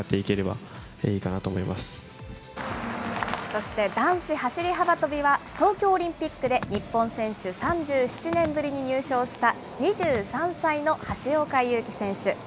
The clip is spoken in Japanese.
そして男子走り幅跳びは、東京オリンピックで日本選手３７年ぶりに入賞した２３歳の橋岡優輝選手。